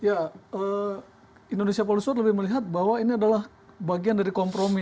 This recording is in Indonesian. ya indonesia police lebih melihat bahwa ini adalah bagian dari kompromi